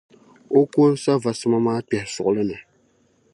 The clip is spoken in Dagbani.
O ko n-sa va sima maa kpɛhi suɣili ni.